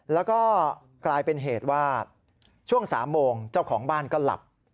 แล้วก็กลายเป็นเหตุว่าช่วง๓โมงเจ้าของบ้านก็หลับ